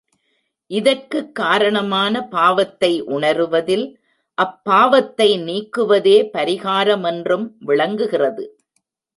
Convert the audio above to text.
இதற்குக் காரணமான பாவத்தை உணருவதில், அப்பாவத்தை நீக்குவதே பரிகாரமென்றும் விளங்குகிறது.